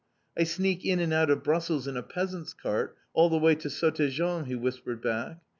"I sneak in and out of Brussels in a peasant's cart, all the way to Sottegem," he whispered back.